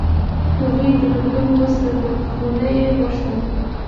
هغوی د بدلون وس درلود، خو نه یې غوښتل.